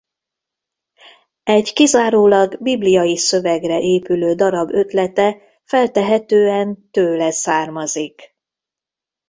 Egy kizárólag bibliai szövegre épülő darab ötlete feltehetően tőle származik.